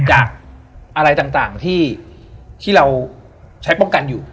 จากอะไรต่างที่เราใช้ป้องกันอยู่